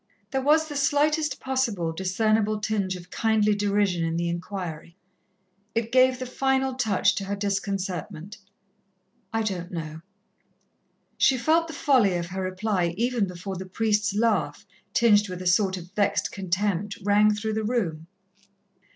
There was the slightest possible discernible tinge of kindly derision in the inquiry. It gave the final touch to her disconcertment. "I don't know." She felt the folly of her reply even before the priest's laugh, tinged with a sort of vexed contempt, rang through the room.